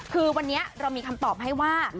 คือวันนี้เรามีคำตอบให้ว่า